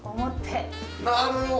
なるほど。